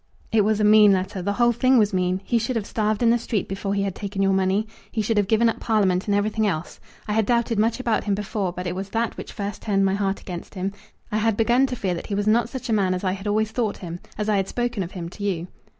"It was a mean letter. The whole thing was mean! He should have starved in the street before he had taken your money. He should have given up Parliament, and everything else! I had doubted much about him before, but it was that which first turned my heart against him. I had begun to fear that he was not such a man as I had always thought him, as I had spoken of him to you."